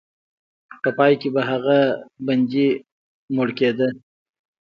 په پای کې به هغه بندي مړ کېده.